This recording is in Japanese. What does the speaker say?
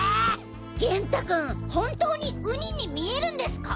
元太君本当にウニに見えるんですか？